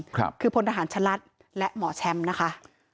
คือพลทหารชะลัดและหมอแชมป์นะคะ